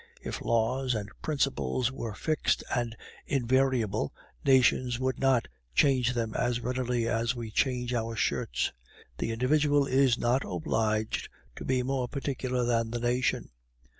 If laws and principles were fixed and invariable, nations would not change them as readily as we change our shirts. The individual is not obliged to be more particular than the nation.